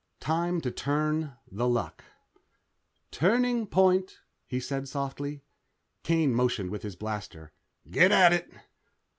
Time to turn The Luck. "Turnover point," he said softly. Kane motioned with his blaster. "Get at it."